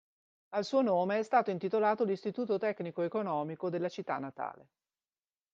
Al suo nome è stato intitolato l'Istituto tecnico economico della città natale.